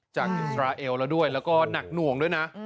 อิสราเอลแล้วด้วยแล้วก็หนักหน่วงด้วยนะ